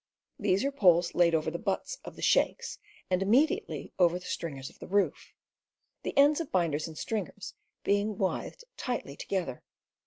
These are poles laid over the butts of the shakes and immediately over the stringers of the roof, the ends of binders and stringers being withed tightly together.